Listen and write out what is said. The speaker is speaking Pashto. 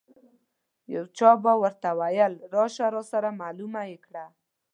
یو چا به ورته ویل راشه راسره معلومه یې کړه.